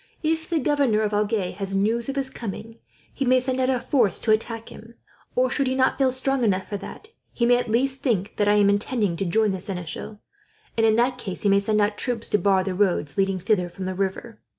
If the governor of Agen has news of his coming, he may send out a force to attack him or, should he not feel strong enough for that, he may at least think that I am intending to join the seneschal; and in that case he may send out troops, to bar the roads leading thither from the river.